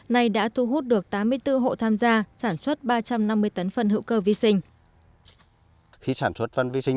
này đã thu hút được tám mươi bốn hộ tham gia sản xuất ba trăm năm mươi tấn phân hữu cơ vi sinh